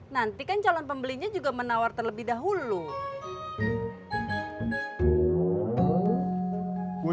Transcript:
nanti kan calon pembelinya juga menawar terlebih dahulu